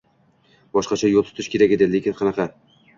Boshqacha yoʻl tutish kerak edi. Lekin qanaqa?